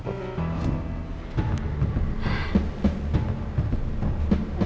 gue ngerti perasaan lo sekarang